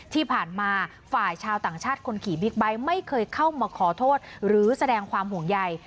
ที่ผ่านมาฝ่ายชาวต่างชาติคนขี่บิ๊กไบท์ไม่เคยเข้ามาขอโทษหรือแสดงความห่วงใย